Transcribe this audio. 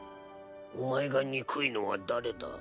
お前が憎いのは誰だ？